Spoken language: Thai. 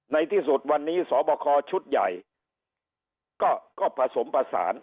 ในที่สุดวันนี้สบคชุดใหญ่ก็ผสมผสาน